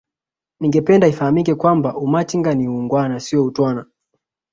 ningependa ifahamike kwamba Umachinga ni uungwana sio utwana